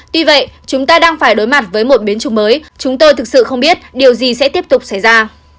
tuy vậy chúng ta đang phải đối mặt với một biến chủng mới chúng tôi thực sự không biết điều gì sẽ tiếp tục xảy ra